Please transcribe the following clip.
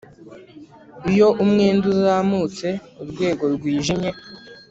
Iyo umwenda uzamutse urwego rwijimye